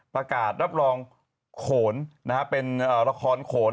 ประกาศรับรองโขณนะครับเป็นละครโขณ